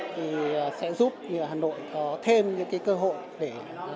thì sẽ giúp hà nội có thêm những cái cơ hội để